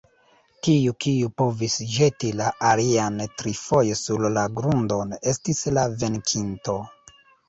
Tiu, kiu povis ĵeti la alian trifoje sur la grundon, estis la venkinto.